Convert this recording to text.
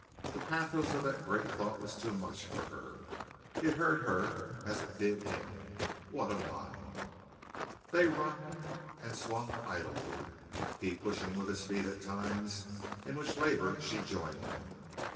The pathos of that great thought was too much for her. It hurt her as it did him. What a mind! They rocked and swung idly, he pushing with his feet at times in which labor she joined him.